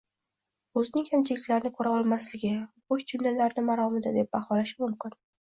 o‘zining kamchiliklarini ko‘ra olmasligi, bo‘sh jumlalarni maromida deb baholashi mumkin.